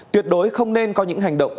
tuyệt đối không nên có những hành động